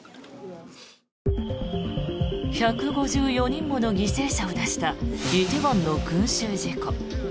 １５４人もの犠牲者を出した梨泰院の群衆事故。